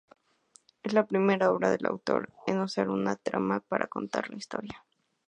Es la primera obra del autor en usar una trama para contar la historia.